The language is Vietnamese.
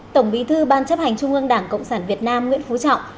tổng bí thư ban chấp hành trung ương đảng cộng sản việt nam nguyễn phú trọng